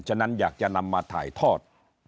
ฉะนั้นอยากจะนำมาถ่ายทอด